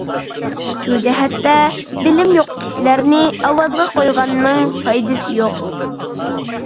شۇ جەھەتتە بىلىم يوق كىشىلەرنى ئاۋازغا قويغاننىڭ پايدىسى يوق.